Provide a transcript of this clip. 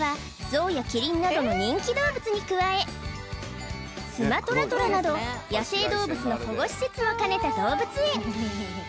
ゾウやキリンなどの人気動物に加えスマトラトラなど野生動物の保護施設も兼ねた動物園